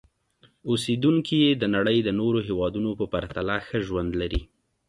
اوسېدونکي یې د نړۍ نورو هېوادونو په پرتله ښه ژوند لري.